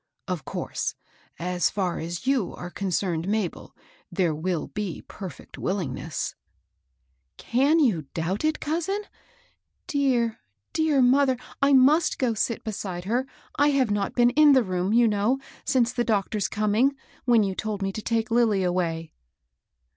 Of course, as far as you are concerned, Mabel, there will be perfect willingness." " Can you doubt it, cousin ? Dear, dear mother 1 I must go sit beside her. I have not been in the room, you know, since the doctor's coming, when you told me to take Lilly away."